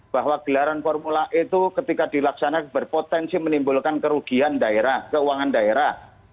bahwa gelaran formula e itu ketika dilaksanakan berpotensi menimbulkan kerugian daerah keuangan daerah